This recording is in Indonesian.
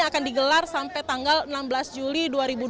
akan digelar sampai tanggal enam belas juli dua ribu dua puluh